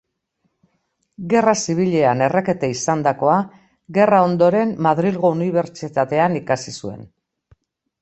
Gerra Zibilean errekete izandakoa, gerra ondoren Madrilgo Unibertsitatean ikasi zuen.